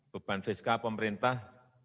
beban fiskal pemerintah